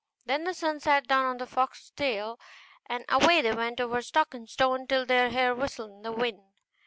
Then the son sat down on the fox's tail, and away they went over stock and stone till their hair whistled in the wind.